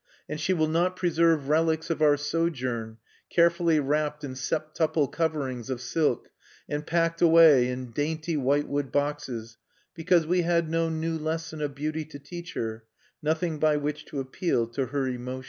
And she will not preserve relics of our sojourn, carefully wrapped in septuple coverings of silk, and packed away in dainty whitewood boxes, because we had no new lesson of beauty to teach her, nothing by which to appeal to her emotions.